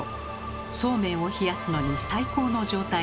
そうめんを冷やすのに最高の状態です。